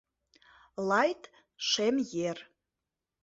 Лайд Шемйэр.